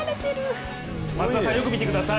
松田さん、よく見てください